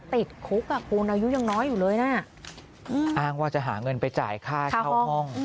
ติดคุกอ่ะคุณอายุยังน้อยอยู่เลยนะอ้างว่าจะหาเงินไปจ่ายค่าเช่าห้อง